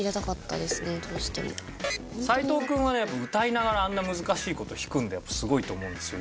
斎藤君はねやっぱ歌いながらあんな難しい事弾くんですごいと思うんですよ